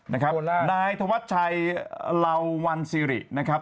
นายถวัชชัยรราวันซิรินะครับ